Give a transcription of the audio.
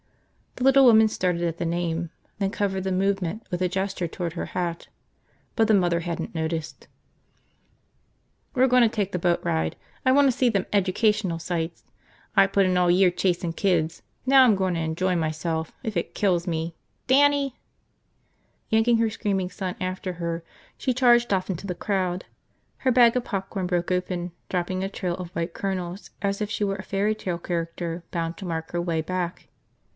The little woman started at the name, then covered the movement with a gesture toward her hat. But the mother hadn't noticed. "We're gonna take the boat ride. I wanta see them educational sights. I put in all year chasin' kids, now I'm gonna enjoy myself if it kills me. Dannie!" Yanking her screaming son after her, she charged off into the crowd. Her bag of popcorn broke open, dropping a trail of white kernels as if she were a fairy tale character bound to mark her way back.